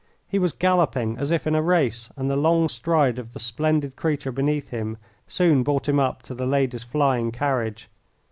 He was galloping as if in a race, and the long stride of the splendid creature beneath him soon brought him up to the lady's flying carriage.